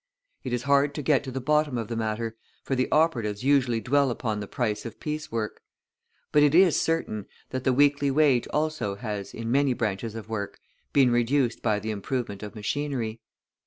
It is hard to get to the bottom of the matter, for the operatives usually dwell upon the price of piece work. But it is certain that the weekly wage, also, has, in many branches of work, been reduced by the improvement of machinery.